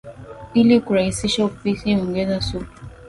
Ili kurahisisha upishi ongeza supu